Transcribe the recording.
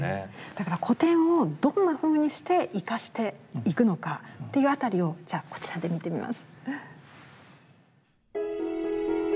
だから古典をどんなふうにして生かしていくのかというあたりをじゃあこちらで見てみます。